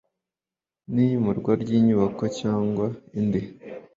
n iyimurwa ry inyubako cyangwa indi